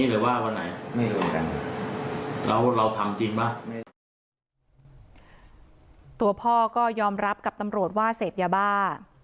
แล้วเราทำจริงป่ะไม่ตัวพ่อก็ยอมรับกับตำโหลดว่าเสพยาบ้า